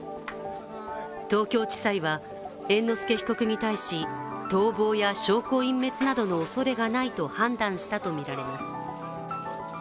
東京地裁は猿之助被告に対し、逃亡や証拠隠滅などのおそれがないと判断したとみられます。